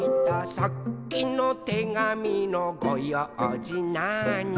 「さっきのてがみのごようじなーに」